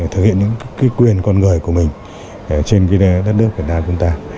thực hiện những quyền con người của mình trên đất nước việt nam chúng ta